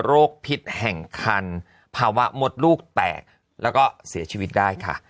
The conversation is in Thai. พิษแห่งคันภาวะมดลูกแตกแล้วก็เสียชีวิตได้ค่ะ